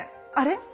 あれ？